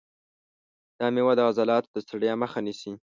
دا مېوه د عضلاتو د ستړیا مخه نیسي.